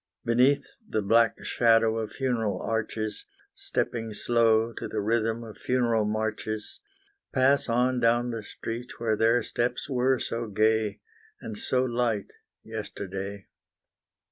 Beneath the black shadow of funeral arches, Stepping slow to the rhythm of funeral marches; Pass on down the street where their steps were so gay, And so light, yesterday.